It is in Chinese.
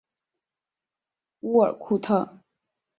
乌尔库特。